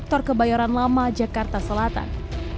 ketika di polres metro jakarta selatan